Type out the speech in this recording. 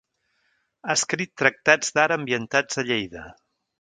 Ha escrit tractats d'art ambientats a Lleida.